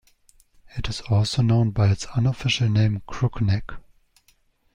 It is also known by its unofficial name Crookneck.